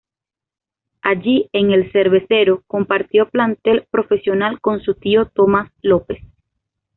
Allí en el Cervecero, compartió plantel profesional con su tío Tomás López.